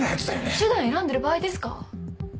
手段選んでる場合ですか？